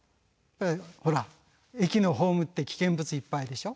ほら駅のホームって危険物いっぱいでしょ。